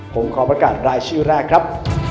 ผมขอประกาศรายชื่อแรกครับ